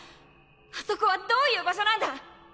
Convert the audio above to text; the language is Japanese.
あそこはどういう場所なんだ！